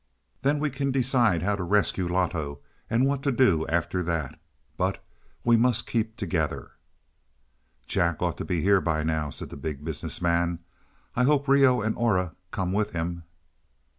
Then we can decide how to rescue Loto and what to do after that. But we must keep together." "Jack ought to be here by now," said the Big Business Man. "I hope Reoh and Aura come with him."